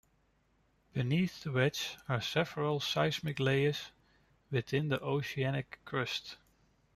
Beneath the wedge are several seismic layers within the oceanic crust.